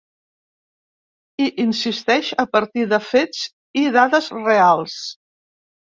Hi insisteix a partir de fets i dades reals.